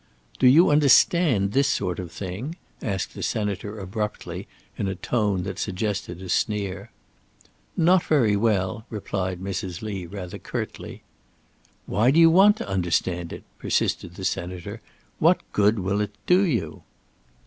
"Do you understand this sort of thing?" asked the Senator abruptly, in a tone that suggested a sneer. "Not very well," replied Mrs. Lee, rather curtly. "Why do you want to understand it?" persisted the Senator. "What good will it do you?"